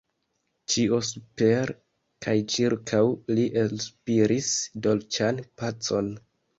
Ĉio super kaj ĉirkaŭ li elspiris dolĉan pacon.